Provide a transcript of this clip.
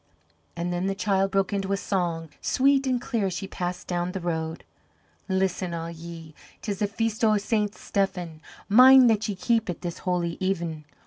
And then the child broke into a song, sweet and clear, as she passed down the road: "Listen all ye, 'tis the Feast o' St. Stephen, Mind that ye keep it, this holy even.